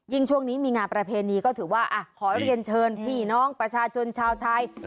ช่วงนี้มีงานประเพณีก็ถือว่าขอเรียนเชิญพี่น้องประชาชนชาวไทย